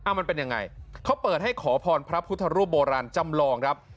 มันเป็นยังไงเขาเปิดให้ขอพรพระพุทธรูปโบราณจำลองครับ